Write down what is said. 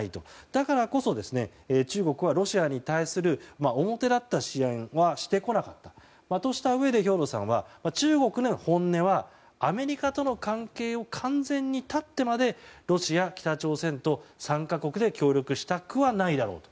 だからこそ中国はロシアに対する表立った支援はしてこなかったとしたうえで兵頭さんは中国の本音はアメリカとの関係を完全に断ってまでロシア、北朝鮮と３か国で協力したくはないだろうと。